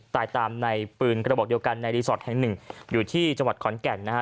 ตายตามในปืนกระบอกเดียวกันในรีสอร์ทแห่งหนึ่งอยู่ที่จังหวัดขอนแก่นนะฮะ